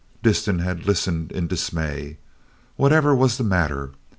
Disston had listened in dismay. Whatever was the matter?